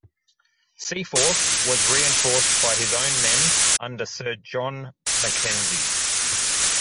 Seaforth was reinforced by his own men under Sir John MacKenzie.